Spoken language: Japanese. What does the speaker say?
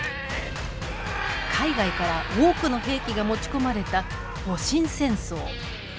海外から多くの兵器が持ち込まれた戊辰戦争。